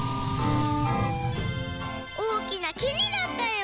おおきなきになったよ。